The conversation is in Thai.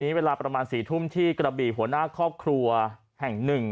เวลาประมาณ๔ทุ่มที่กระบี่หัวหน้าครอบครัวแห่งหนึ่ง